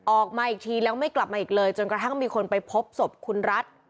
ออกมาอีกทีแล้วไม่กลับมาอีกเลยจนกระทั่งมีคนไปพบศพคุณรัฐ